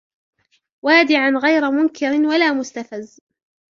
وَادِعًا غَيْرَ مُنْكِرٍ وَلَا مُسْتَفَزٍّ